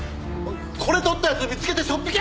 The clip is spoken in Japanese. これ撮った奴見つけてしょっ引け！